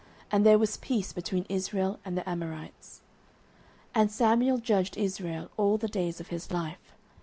And there was peace between Israel and the Amorites. 09:007:015 And Samuel judged Israel all the days of his life.